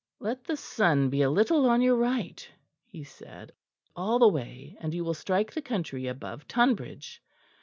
"Let the sun be a little on your right," he said, "all the way; and you will strike the country above Tonbridge."